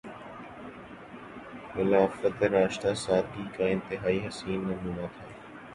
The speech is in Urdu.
خلافت راشدہ سادگی کا انتہائی حسین نمونہ تھی۔